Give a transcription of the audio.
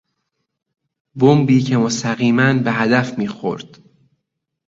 بمبی که مستقیما به هدف میخورد